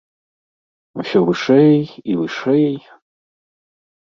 Усё вышэй і вышэй.